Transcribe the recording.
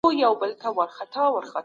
کله چې بازار ته توکي راسي نو خلک يې اخلي.